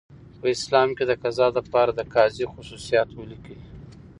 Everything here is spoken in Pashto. په اسلام کي دقضاء د پاره دقاضي خصوصیات ولیکئ؟